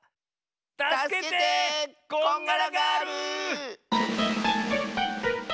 たすけてこんがらガール！